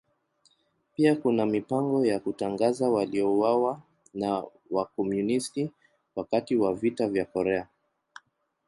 Pia kuna mipango ya kutangaza waliouawa na Wakomunisti wakati wa Vita vya Korea.